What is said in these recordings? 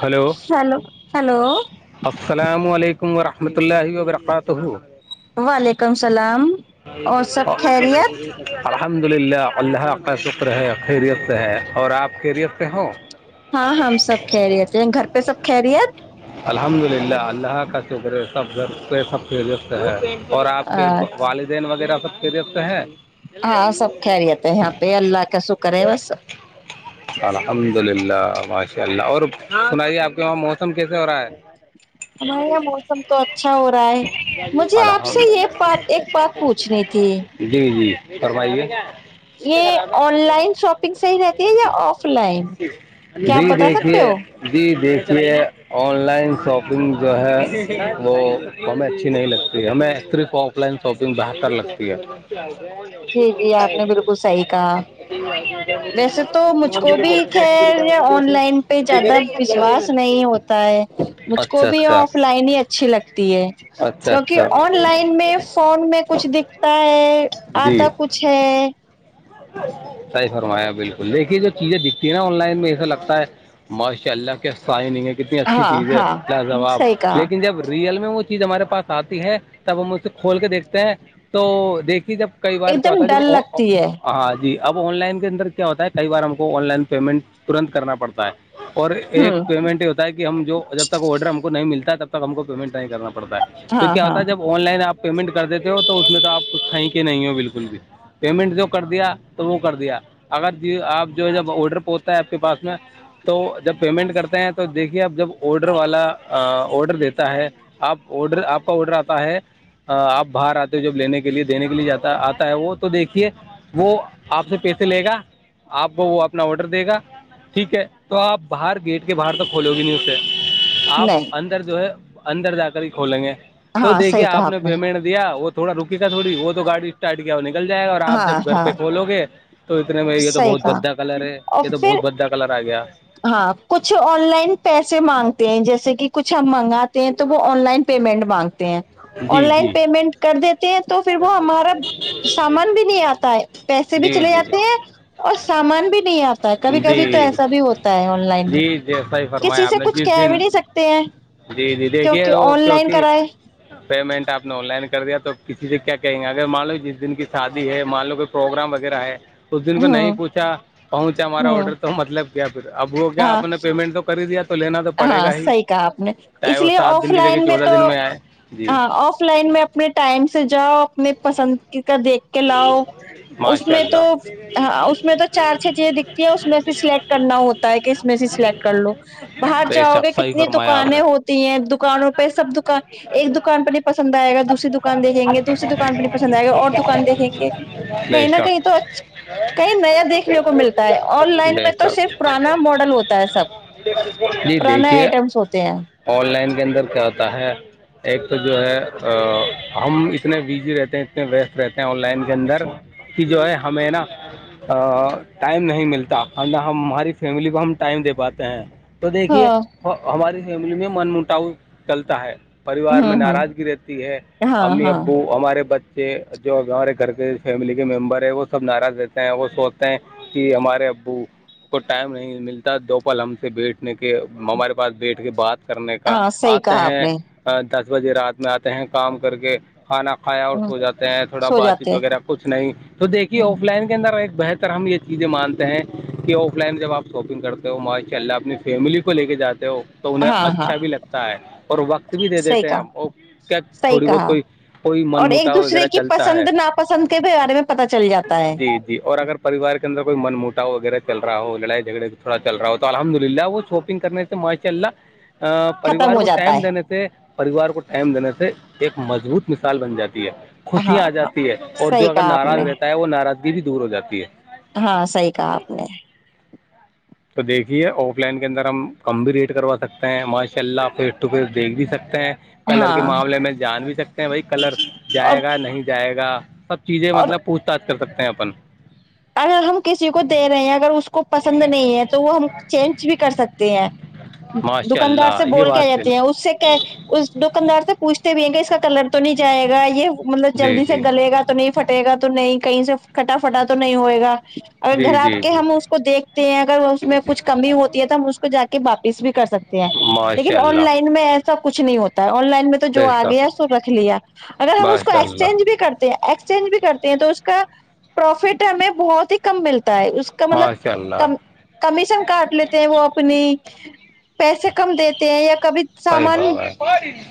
hello hello hello السلام علیکم ورحمۃ اللہ وبرکاتہ وعلیکم السلام اور سب خیریت الحمد للہ اللہہ کا شکر ہے خیریت سے ہے اور آپ خیریت سے ہوں ہاں ہم سب کہ رہیے تھے گھر پہ سب کہ رہی ہے الحمد للہ اللہ کا شکر سب سب فیریفت ہے اور آپ کے والدین وغیرہ سب فیریفت ہیں ہاں سب خیریت ہے یہاں پہ اللہ کا شکر ہے بس [unintelligible] الحدلہ ماشاء اللہ اور سنائیے آپ کے وہاں موسم کیسے ہو رہا ہے ہمارے یہاں موسم تو اچھا ہو رہا ہے مجھے آپ سے یہ بات ایک بات پوچھنی تھی جی جی فرمائیے یہ آن لائن شاپنگ صحی رہتی ہے یا آف لائن کیا آپ جی بتا سکتے دیکھیے ہو جی دیکھیے آن لائن شاپنگ جو ہے وہ ہمیں اچھی نہیں لگتی ہے ہمیں صرف آف لائن شاپنگ بہتر لگتی ہے جی جی آپ نے بالکل صحیح کہا ویسے تو مجھ کو بھی [inaudible] [inaudible] خیر آن لائن پہ زیادہ وشواس نہیں ہوتا ہے مجھ کو اچھا بھی اچھا آف لائن ہی اچھی لگتی ہے اچھا کیکہ اچھا آن لائن میں فون میں کچھ دکھتا ہے آتا جی کچھ ہے [unintelligible] صحیح فرمایا بالکل دیکھیے جو چیزیں دکھتی ہیں نا آن لائن میں ایسا لگتا ہے ماشاء اللہ کیسائی نہیں ہے کتنی اچھی ہاں چیز ہے ہاں لا جوواب صحیح کہا لیکن جب ریئل میں مجھ ہمارے پاس آتی ہے تب ہم اسے کھول کے دیکھتے ہیں تو دیکھیے جب کئی بار ایک کیا ہوتا دم ہے ڈر جب لگتی ہے ہاں جی اب آن لائن کے اندر کیا ہوتا ہے کئی بار ہم کو آن لائن پیمنٹ ترنت کرنا پڑتا ہے اور ہوں ایک پیمنٹ یہ ہوتا ہے کہ ہم جو جب تک آڈر ہم کو نہیں ملتا ہے تب تک ہم کو پیمنٹ نہیں کرنا پڑتا ہے تو ہاں کیا ہاں ہوتا جب [unintelligible] آن لائن آپ پیمنٹ کر دیتے ہو تو اس میں تو آپ کھیں کے نہیں ہو بالکل بھی پیمنٹ جو کر دیا تو وہ کر دیا اگر آپ جو ہے جب آڈر پہتا ہے آپ کے پاس میں تو جب پیمنٹ کرتے ہیں تو دیکھیے اب جب آڈر والا آڈر دیتا ہے آپ آڈر آپ کا آڈر آتا ہے [unintelligible] آپ باہر آتے ہو جب لینے کے لیے دینے کے لیے جاتا آتا ہے وہ تو دیکھیے وہ آپ سے پیسے لے گا آپ کو وہ اپنا آڈر دے گا ٹھیک ہے تو آپ باہر گیٹ کے باہر توک کھولو گی نہیں اسے آپ نہیں اندر جو ہے اندر جا کر ہی کھولیں گے تو ہاں دیکھیے صحیح کہا آپ نے پیمنٹ یا وہ تھوڑا رکےا تھوڑی وہ تو گاڑی اسٹارٹ کیا وہ نک جائے گا اور آپ ہاں جب ہاں بولو گے تو اتنے میں یہ تو صحیح بہت کہا بھدا کلر ہے اور یہ تو پھر بہت بھدا کلر آ گیا ہاں کچھ آن لائن پیسے مانگتے ہیں جیسے کہ کچھ ہمب منگاتے ہیں تو وہ آن لائن پیمنٹ مانگتے ہیں آن جی لائن جی پیمنٹ کر دیتے ہیں تو پھر وہ ہمارا سامان بھی نہیں آتا ہے پیسے بھی جی چلے جی جاتے ہیں جی اور سامان بھی نہیں آتا ہے کبھی کبھی تو جی ایسا بھی ہوتا آن لائن میں جی جی صحیح کسی فرمایا آپ سے نے کچھ جس کہ بھی دن نہیں سکتے ہیں جی جی دیکھئے کیونکہ وہ آن لائن کیونکہ کرائے پیمنٹ آپ نے آن لائن کر دیا تو کسی سے کیا کہیں گے اگر مان لو جس دن کی شادی ہے مان لو کہ پروگرام وغیرہ ہے اس دن کو ہوں نہیں پوچھا پہنچا ہمارا ہوں آڈر تو مطلب کیا پھر اب وہ کیا ہاں آپ نے پیمنٹ تو کر ہی دیا تھا ہاں صحیح کہا آپ نے چاہے اس وہ لیے سات آف دن کی جگہ لائن میں چودہ تو دن آئے جی ہاں آف لائن میں اپنے ٹائم سے جاؤ اپنے پسند کر دیکھ کے لؤ اس ماشاء میں تو اللہ ہاں اس میں تو چار چھ چیزیں دکھتی ہیں اس میں سلیکٹ کرنا ہوتا ہے کہس میں سے سلیکٹ کر لو باہر بے جاؤ گے شک صحیح کتنی فرمایا آپ نے دکانیں ہوتی ہیں دکانوں پہ سب دکان ایک دکان پہ نہیں پسند آئے گا دوسری دکان دیکھیں گے دوسری دکان پہ نہیں پسند آئے گا اور دکان دیکھیں گے بے کہیں نہ کہیں شک تو اچھا [unintelligible] کہئی نیا دیکھنے کو ملتا ہے آن لائن بے میں تو شک صرف پرانا ماڈل ہوتا ہے سب جی پرانا دیکھیے آئٹمس ہوتے ہیں آن لائن کے اندر کیا ہوتا ہے ایک تو جو ہے ہم اتنے بزی رہتے ہیں اتنے ریس رہتے ہیں آن لائن کے اندر کہ جو ہے ہمیں نا ٹائم نہیں ملتا ہم ہم ہماری فیملی کو ہم ٹائم دے پاتے ہیں تو دیکھیے ہاں ہماری فیملی میں من مٹاؤ چلتا ہے پریوار میں ہوں ہوں ناراضگی رہتی ہے ہاں امی ہاں ابو ہمارے بچے جو ہمارے گھر کے فیملی کے ممبر ہے وہ سب ناراض رہتے ہیں وہ سوچتے ہیں کہ ہمارے ابو کو ٹائم نہیں ملتا دو پل ہم سے بیٹھنے کے ہمارے پاس بیٹھ کے بات کرنے کا ہاں صحیح آتے کہا آپ ہیں نے دس بجے رات میں آتے ہیں کام کر کے کھانا کھایا اور ہ سو جاتا تھوڑا سو بات جاتے چیت ہیں وغیرہ کچھ نہیں تو دیکھیے ہ آف لائن اندر ایک بہتر ہم یہ چیزیں مانتے ہیں کہ آف لائن جب آپ شاپنگ کرتے ہو ماشاء اللہ اپنی فیملی کو لے کے جاتے ہو تو انہیں ہاں ہاں اچھا بھی لگتا ہے اور وقت بھی دے صحیح دیتے ہیں کہا ہم کیا صحیح تھوڑی بہت کہا کوئی کوئی من اور ایک موٹا دوسرے وغیرہ کی چلتا ہے پسند ناپسند کے بھی بارے میں پتا چل جاتا ہے جی جی اور اگر پریار کے اندر کوئی من موٹاو وغیرہ چل رہا ہو لڑائی جھگڑے تھوڑا رہا ہو تو الحمد للہ وہ چھو پی کرنے سے ماشاء اللہ ختم پریوار ہو کو جاتا ٹائم ہے دینے سے سے پریوار کو ٹائم دینے سے ایک مضبوط مثال بن جاتی ہے ہاں خوشیاں آ ہاں جاتی ہے اور جو صحیح اگر کہا آپ ناراض نے رہتا ہے وہ ناراضگی بھی دور ہو جاتی ہے ہاں صحیح کہا آپ نے تو دیکھیے آف لائن کے اندر ہم کم بھی ریٹ کروا سکتے ہیں ماشاء اللہ فیس ٹو فیس دیکھ بھی سکتے ہیں کلر کے ہاں معاملے میں جان بھی سکتے ہیں بائی کلر اور جائے گا نہیں جائے گا سب چیزیں اور مطلب پوچھ تاچھ کر سکتے ہیں اپن اگر ہم کسی کو دے رہے ہیں اگر اس کو پسند نہیں ہے تو وہ ہم چینج بھی کر سکتے ہیں ماشاء دکاندار اللہ سے یہ بول کے بات رہتے ہیں بالکل اس سے کہ اس دکاندار سے پوچھتے بھی ہیں کہ اس کا کلر تو نہیں جائے گا یہ مطلب جی جلدی سے جی گلے گا تو نہیں پھٹے گا تو نہیں کہیں سے کھٹا پھٹا تو نہیں ہوئے گا اگر گھر جی آپ جی کے جی ہم اس کو دیکھتے ہیں اگر اس میں کچھ کمی ہوتی ہے تو ہم جا کے واپس بھی کر سکتے ہیں ماشاء لیکن آن اللہ لائن میں ایسا کچھ نہیں ہوتا ہے آن لائن میں تو تو جو آ بےشک گیا سو رکھ لیا اگر ہم اس کو ماشاء اللہ ایکسچینج بھی کرتے ہیں ایکسچینج بھی کرتی ہیں تو اس کا پروفٹ ہمیں بہت ہی کم ملتا ہے اس کا مطلب ماشاء اللہ کم کمیشن کاٹ لیتے ہیں وہ اپنی پیسے کم دیتے ہیں یا کبھی صحیح سامان فرمایا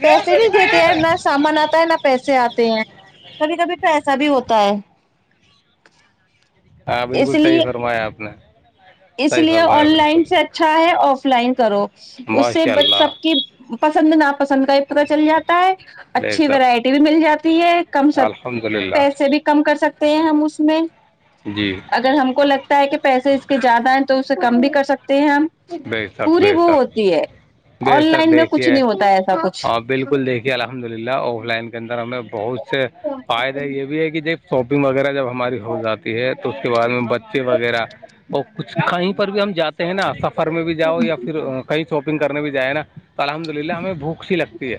پیسے نہیں دیتے ہیں نہ سامان آتا ہے نہ پیسے آتے ہیں کبھی کبھی تو ایسا بھی ہوتا ہے ہاں اس بالکل صحیح لیے فرمایا آپ نے اس صحیح لیے فرمایا آن لائن بالکل سے اچھا ہے آف لائن کرو اس سے ماشاء ب اللہ سب کی پسند نا پسند کا یہ پتا چل جاتا ہے بے اچھی شک ورائٹی بھی مل جاتی ہے کم سب الحمد للہ پیسے بھی کم کر سکتے ہیں ہم اس میں جی اگر ہم کو لگتا ہے کہ پیسے اس کے زیادہ ہیں تو اسے کم بھی کر سکتے ہیں ہم بے شک پوری بے وہ شک ہوتی ہے بے آن شک لائن میں کچھ دیکھیے نہیں ہوتا ہے ایسا کچھ ہاں بالکل دیکھیے الحمد للہ آف لائن کے اندر ہمیں بہت سے فائدے یہ بھی ہے کہ دیک شاپنگ وغیرہ جب ہماری ہو جاتی ہے تو اس کے بعد میں بچے وغیرہ تو کچھ کہیں پر بھی ہم جاتے ہیں نا سفر میں بھی جاؤ یا پھر کہیں شاپنگ کرنے بھی جائے نا تو الحمد للہ ہمیں بھوک سی لگتی ہے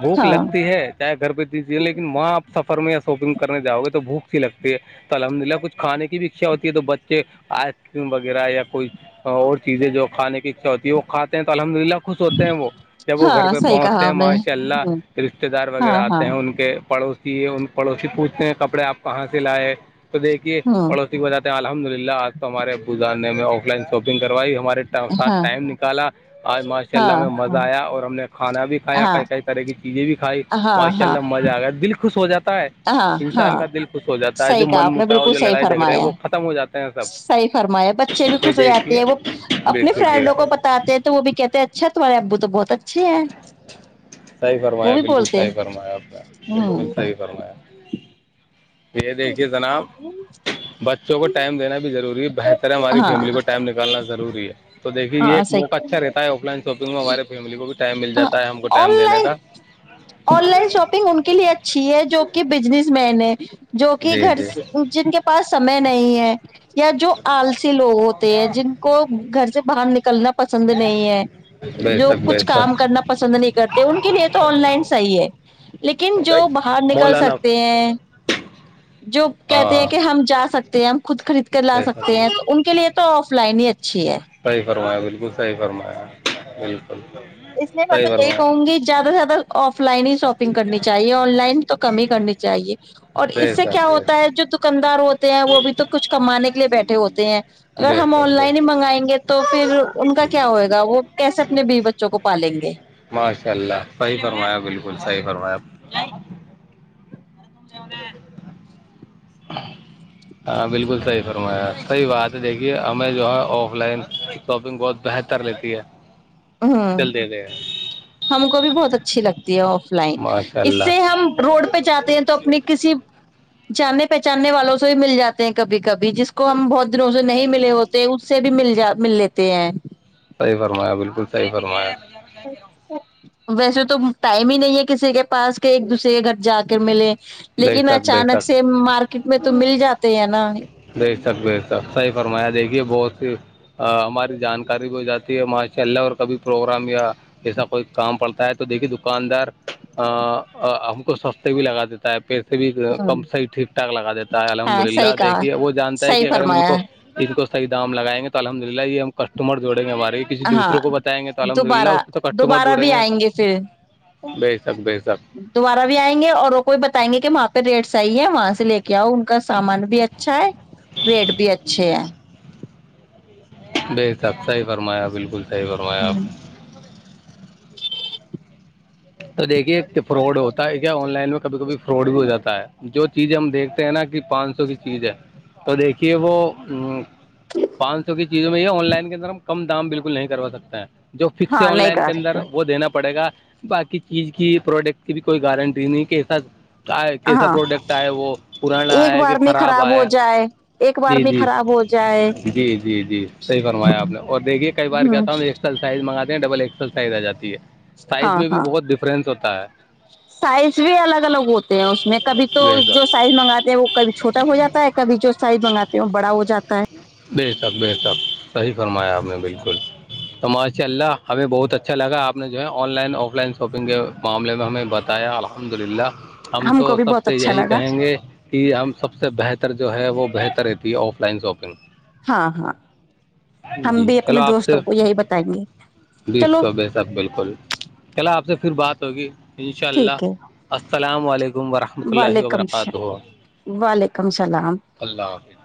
بھوک ہاں لگتی ہے ہے چاہے گھر پہ تت چیزیں لیکن وہاںپ سفر میں یا شاپنگ کرنے جاؤ گے تو بھوک سی لگتی ہے تو الحمد للہ کچھ کھانے کی بھی اچھا ہوتی ہے تو بچے آئس کریم وغیرہ یا کوئی ہاں اور چیزیں جو کانے کی اچھا ہوتی ہے وہ کھات ہیں تو الحمد للہ خوش ہوتے ہیں وہ جب وہ گھر ہاں پہ صحیح پہنچتے کہا ہیں آپ نے وہاں سے اللہ ہ رشتے دار وغیرہ ہاں ہاں آتے ہیں کے پڑوسی ان پڑوسی پوچھتے ہیں کپڑے آپ کہاں سے لائے تو دیکھیے ہ پڑوسی ب جاتے ہیں الحمد للہ آج تو ہمارے بزان نے میں آف لائن شاپنگ کروائی ہمارے ساتھ ہاں ٹائم نکالا آج ماشاء اللہ ہاں میں مزہ ہاں آیا اور ہم نے کھانا بھی کھایا ہاں ک کئی طرح کی چیزیں بھی کھائی ہاں ماشاء ہاں اللہ مزہ آ گیا دل خوش ہو جاتا ہے ہاں ہاں انسان کا دل خوش ہو جاتا ہے صحیح جو کہا من آپ نے مٹا ہو بالکل جو صحیح لڑائی جھگڑے ہو فرمایا وہ ختم ہو جاتے ہیں سب صحیح فرما ہے بچے بھی یہ خوش ہو جاتے دیکھیے ہیں وہ اپنے بالکل یہ فرینڈوں کو سب بتاتے تو وہ بھی کہتے ہیں اچھا تمہارے ابو تو بہت اچھے ہیں صحی وہ فرمایا بھی بالکل بولتے صحیح ہیں فرمایا آپ نے بالکل ہ صحیح فرمایا یہ دیکھیے جناب بچوں کو ٹائم دین بھی ضروری ہے بہتر ہے ہماری ہاں فیملی کو ٹائم کرنا روری ہے تو دیکے یہ ہاں ایک موقع صحیح اچھا رہتا ہے آف لائن شاپنگ میں ہمارے فیملی کو بھی ٹائم مل جا ہاں ہے ہم کو آن ٹائم دینے لائن کا آن لائن شاپنگ ان کے لیے اچھی ہے جو کہ بزنس مین ہے جو کہ جی گھر جی جن کے پاس سمے نہیں ہے یا جو آلسی لوگ ہوتے ہیں جن کو گھر سے باہر نکلنا پسند نہیں ہے بے جو شک بے کچھ کام شک کرنا پسند نہیں کرتے ان کے لیے تو آن لائن صحیح ہے لیکن جو باہر نکل مولانا سکتے ہیں جو ہاں کہتے ہیں ہاں کہ ہم جا سکتے ہم خود خرید کر لا بے شک سکتے بے ہیں تو شک، ان کے لیے تو آف لائن ہی اچھی ہے صحیح فرمایا بالکل صحیح فرمایا بالکل اس لیے میں صحیح تو یہی فرمایا کہوں گی زیادہ سے زیادہ آف لائن ہی شاپنگ کرنی چاہیے آن لائن تو کم ہی کرنی چاہ چاہیے اور بے اس سے کیا شک بے ہوتا ہے جو دکاندار ہوتے ہیں وہ بھی تو کچھ کمانے کے لیے بیٹھے ہوتے ہیں شک اگر بے ہم آن شک بے لائن ہی شک منگائیں گے تو پھر ان کا کیا ہوئے گا وہ کیسے اپنے بی بچے کو پالیں گے ماشاء اللہ صحیح فرمایا بالکل صحیح فرمایا [inaudible] [inaudible] ہاں بالکل صحیح فرمایا صحیح بات ہے دیکھیے ہمیں جو ہے آف لائن شاپنگ بہت بہتر لیتی ہے ہوں چل دیتے ہیں ہم کو بھی بہت اچھی لگتی آف لائن ماشاء اس اللہ سے ہم روڈ پہ جاتے ہیں تو اپنی کسی جاننے پہچاننے والوں سے بھی مل جاتے ہیں کبھی کبھی جس کو ہم بہت دنوں سے نہیں ملے ہوتے اس سے بھی مل جا مل لیتے ہیں صحی فرمایا بالکل صحی فرمایا [inaudible] ویسے تو ٹائم ہی نہیں ہے کسی کے پاس کہ ایک دوسرے کے گھر جا کے ملے بے لیکن شک بے اچانک شک سے مارکیٹ میں تو مل جاتے ہیں نا بے سک بے سک صحی فرمایا دیکھیے بہت سی [unintelligible] ہماری جانکاری بھی ہو جاتی ہے ماشاء اللہ اور کبھی پروگرام یا جسا کوئی کام پڑتا ہے تو دیکھیے دکاندار ہم کو سستے بھی لگا دیتا ہے پبھی کم صحیح ٹھیک ٹھاک لگا دیتا ہے الحمد ہاں صحیح للہ کہا دیکھیے وہ جانتا ہے صحیح کہ اگر ہم ان فرمایا کو کو صح دام لگائیں گے تو الحد للہ یہ ہم کسٹمر جوڑیں گے ہمارے کسی ہاں دوسروں کو بتائیں گے تو الحمد للہ دوبارہ اس کے تو کسٹمر دوبارہ جڑیں بھی گے آئیں پھر بیشک بیشک دوبارہا بھی آیں گے اور وہ کو بھی بائیں گے کہ وہاں پہ ریٹس آئیے ہے وہاں سے لے کے آؤ کا سامان بھی اچھا ہے ریٹ بھی اچھے ہے ب صحب صحی فرمایا بالکل صحی فرمایا آپ تو دیکھیے فراڈ ہوتا ہے کیا آن لائن میں کبھی کبھی فراڈ بھی ہو جاتا ہے جو چیز ہم دیکھتے ہیں نا کہ پانچ سو کی چیز ہے تو دیکھیے وہ پانچ سو کی چیزوں میں یہ آن لائن کے اندر ہم کم دام بالکل نہیں کروا سکتے ہیں جو فکس ہے ہاں آن نہیں لائن کے کر اندر سکتے وہ دینا پڑے گا باقی چیز کی پروڈکٹ کی بھی کوئی گارنٹی نہیں کہسا کیسا ہاں پروڈکٹ آئے وہ پرانا ایک آیا کہ بار میں خراب ہو آیا جائے ایک بار جی میں جی خراب ہو جائے جی جی جی صحیح فرمایا آپ نے اور دیکھیے کئی بار کہ ہ تھاوں ایک سال سائز منگاتے ہیں ڈبل ایکسل سائز آ جاتی ہے سائز ہاں میں بھی ہاں بہت ڈفرنس ہوتا ہے سائز بھی الگ الگ ہوتے ہیں اس میں کبھی تو بے جو شک سائز منگاتے ہیں وہ کبھیھوٹا ہو جاتا ہے کبھی جو سائز منگاتے ہیں وہ بڑا ہو جاتا ہے بے تک ب تک صحی فرمایا آپ نے بالکل تو ماشاء اللہ ہمیں بہت اچھا لگا آپ نے جو ہے online offline shopping کے معاملے میں ہمیں بتایا الحمد للہ ہم تو کو بھی سب بہت سے اچھا یہی لگا کہیں گے یہ ہم سب سے بہتر جو ہے وہ بہتر رہتی ہے آف لائن شاپنگ ہاں ہاں ہم جی بھی چلو اپنے آپ سے دوستوں کو یہی بتائیں گے بیس چلو کو بے شک بالکل چلا آپ سے پھر بات ہوگی ان شاء ٹھیک اللہ ہے السلام علیکم ورحم وعلیکم وعلیکم السلام اللہ حافظ